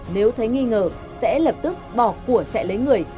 nếu thấy nghi ngờ sẽ lập tức bỏ của chạy lấy người